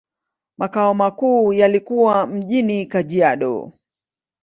Makao makuu yalikuwa mjini Kajiado.